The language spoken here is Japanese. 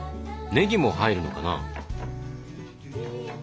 ねぎも入るのかな？